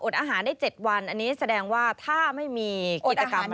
อาหารได้๗วันอันนี้แสดงว่าถ้าไม่มีกิจกรรม